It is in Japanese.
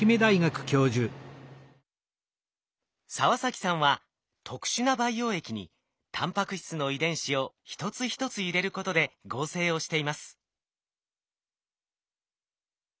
澤崎さんは特殊な培養液にタンパク質の遺伝子を一つ一つ入れることで合成をしています。